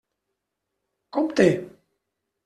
Compte!